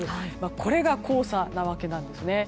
これが黄砂なわけなんですね。